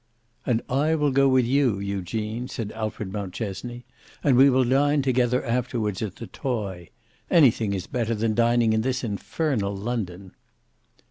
"And I will go with you, Eugene," said Alfred Mountchesney, "and we will dine together afterwards at the Toy. Anything is better than dining in this infernal London."